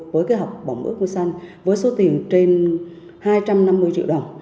với kế hoạch bỏng ước mơ xanh với số tiền trên hai trăm năm mươi triệu đồng